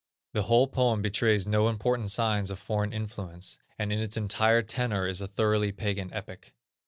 The whole poem betrays no important signs of foreign influence, and in its entire tenor is a thoroughly pagan epic.